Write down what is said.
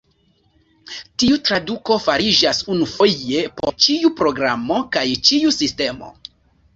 Tiu traduko fariĝas unufoje por ĉiu programo kaj ĉiu sistemo.